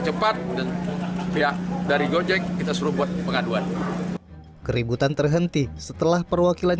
cepat dan pihak dari gojek kita suruh buat pengaduan keributan terhenti setelah perwakilan